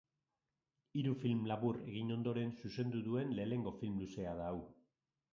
Hiru film labur egin ondoren, zuzendu duen lehenengo film luzea da hau.